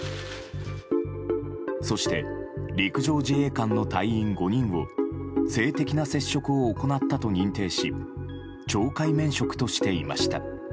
そして、陸上自衛官の隊員５人を性的な接触を行ったと認定し懲戒免職としていました。